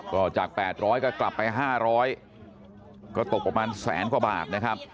ก็จาก๘๐๐ก็กลับไป๕๐๐ก็ตกประมาณแสนกว่าบาทนะครับ